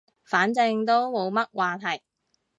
反正都冇乜話題